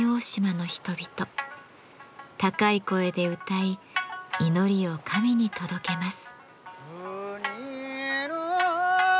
高い声で歌い祈りを神に届けます。